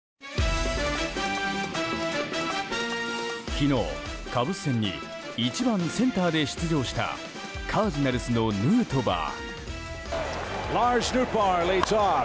昨日、カブス戦に１番センターで出場したカージナルスのヌートバー。